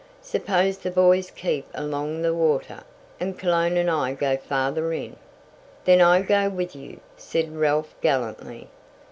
Suppose the boys keep along the water, and Cologne and I go farther in." "Then I go with you," said Ralph gallantly.